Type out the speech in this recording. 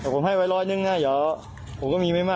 เดี๋ยวผมให้ไว้ร้อนนึงนะเดี๋ยวเราก็ไม่มีเวาะ